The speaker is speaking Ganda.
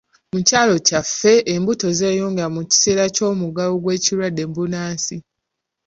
Mu kyalo kyaffe embuto zeeyongera mu kiseera ky'omuggalo gw'ekirwadde bbunansi.